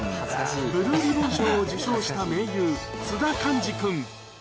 ブルーリボン賞を受賞した名優、津田寛治君。